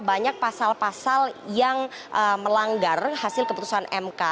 banyak pasal pasal yang melanggar hasil keputusan mk